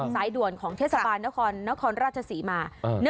สายด่วนของเทศบาลนครนครราชศรีมา